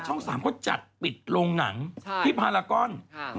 ช่องสามเขาจัดปิดลงหนังที่ภารกร